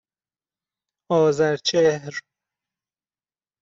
آذرچهر